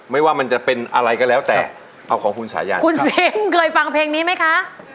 ไม่ว่ามันจะเป็นอะไรก็แล้วแต่เอาของคุณสายันคุณซิมเคยฟังเพลงนี้ไหมคะ